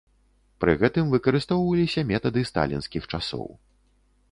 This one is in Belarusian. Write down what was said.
Пры гэтым выкарыстоўваліся метады сталінскіх часоў.